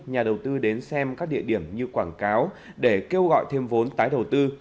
nhà đầu tư đến xem các địa điểm như quảng cáo để kêu gọi thêm vốn tái đầu tư